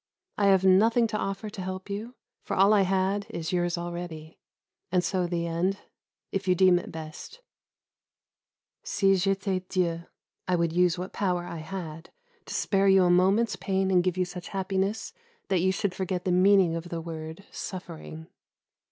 I have nothing to offer to help you, for all I had is yours already. And so the end: if so you deem it best. "Si j'étais Dieu," I would use what power I had to spare you a moment's pain and give you such happiness that you should forget the meaning of the word "suffering."